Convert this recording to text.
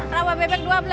rawa bebek dua belas